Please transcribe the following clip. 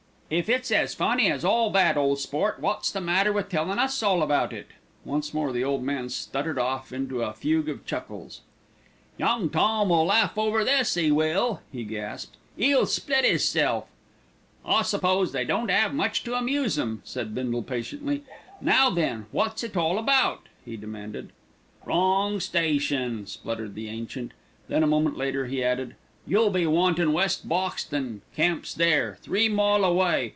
"If it's as funny as all that, ole sport, wot's the matter with tellin' us all about it?" Once more the old man stuttered off into a fugue of chuckles. "Young Tom'll laugh over this, 'e will," he gasped; "'e'll split 'isself." "I suppose they don't 'ave much to amuse 'em," said Bindle patiently. "Now then, wot's it all about?" he demanded. "Wrong station," spluttered the ancient. Then a moment later he added, "You be wantin' West Boxton. Camp's there. Three mile away.